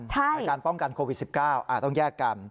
ในการป้องกันโควิด๑๙ต้องแยกกัน